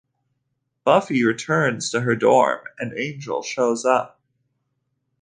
Buffy returns to her dorm room and Angel shows up.